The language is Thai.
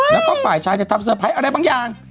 แล้วก็ฝ่ายชายจะทำเตอร์ไพรส์อะไรบางอย่าง